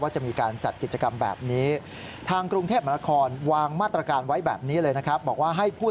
ว่าจะมีการจัดกิจกรรมแบบนี้